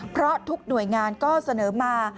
เพราะทุกหน่วยงานก็เสนอมา